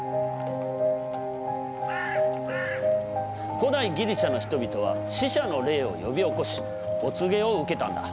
古代ギリシャの人々は死者の霊を呼び起こしお告げを受けたんだ。